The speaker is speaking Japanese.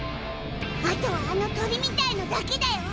あとはあの鳥みたいのだけだよ。